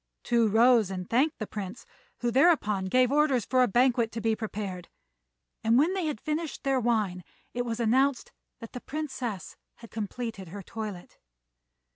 Tou rose and thanked the Prince, who thereupon gave orders for a banquet to be prepared; and when they had finished their wine it was announced that the Princess had completed her toilet.